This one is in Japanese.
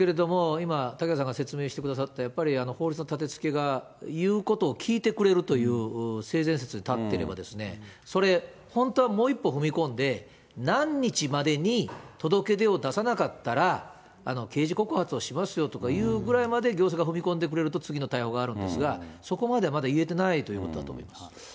アウトなんですけれども、今、嵩原さんが説明してくださった、やっぱり、法律の立て付けが言うことを聞いてくれるという性善説にたってれば、それ、本当はもう一歩踏み込んで、何日までに届け出を出さなかったら、刑事告発をしますよというぐらいまで行政が踏み込んでくれると、次の対応があるんですが、そこまでまだいえてないということだと思います。